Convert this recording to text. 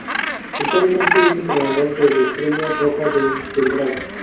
Actualmente es entrenador del Estrella Roja de Belgrado.